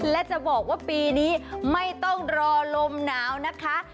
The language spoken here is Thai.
และจะบอกว่าปีนี้ไม่ต้องรอลมหนาวนะคะ